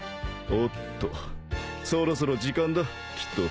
おっとそろそろ時間だキッド。